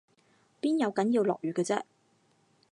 邊有梗要落雨嘅啫？